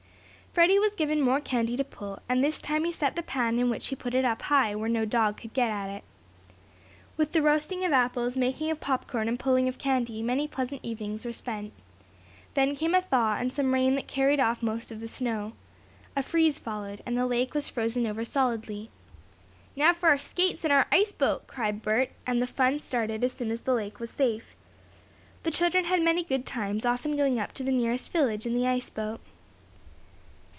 Freddie was given more candy to pull, and this time he set the pan in which he put it up high where no dog could get at it. With the roasting of apples, making of popcorn and pulling of candy, many pleasant evenings were spent. Then came a thaw, and some rain that carried off most of the snow. A freeze followed, and the lake was frozen over solidly. "Now for skates and our ice boat!" cried Bert, and the fun started as soon as the lake was safe. The children had many good times, often going up to the nearest village in the ice boat.